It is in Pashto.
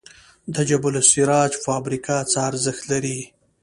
د جبل السراج فابریکه څه ارزښت لري؟